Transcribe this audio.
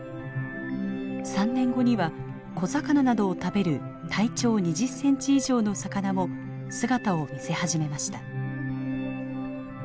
３年後には小魚などを食べる体長２０センチ以上の魚も姿を見せ始めました。